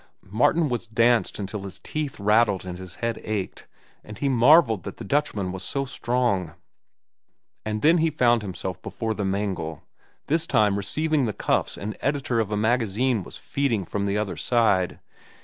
Martin was danced until his teeth rattled and his head ached, and he marvelled that the Dutchman was so strong. And then he found himself before the mangle, this time receiving the cuffs an editor of a magazine was feeding from the other side.